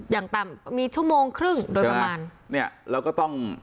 อย่างต่ำมีชั่วโมงครึ่งโดยประมาณเนี้ยเราก็ต้อง